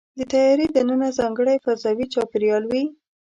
د طیارې دننه ځانګړی فضاوي چاپېریال وي.